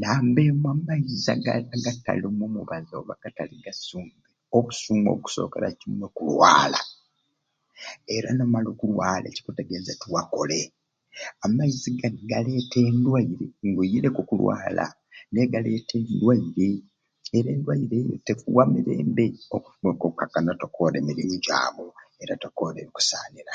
Namba emwei amaizi agali agatalimu mubazi oba agatali gasumbe obusuume obukusookera kimwe kulwala era nomala okulwala ekikutegeeza tiwakole amaizi gani galeeta endwaire ng'oireku okulwala naye galeeta endwaire era endwaire eyo tekuwa mirembe okukakanya tokoore mirimu gyamu era tokoore kikusaanira